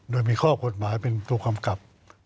โดยมีข้อกฎหมายเป็นตัวกำกับ